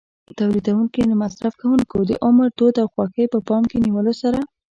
تولیدوونکي د مصرف کوونکو د عمر، دود او خوښۍ په پام کې نیولو سره.